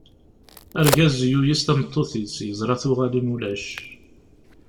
Argaz, yuyes tameṭṭut-is, yeẓra tuɣalin ulac.